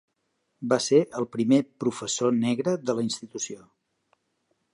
Va ser el primer professor negre de la institució.